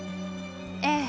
ええ。